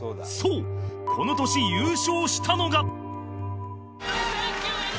そうこの年優勝したのが